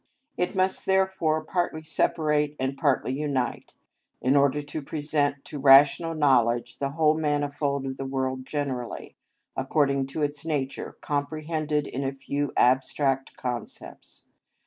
It must therefore partly separate and partly unite, in order to present to rational knowledge the whole manifold of the world generally, according to its nature, comprehended in a few abstract concepts.